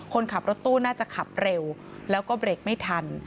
คนขับรถตู้น่าจะขับเร็วแล้วก็เบรกไม่ทัน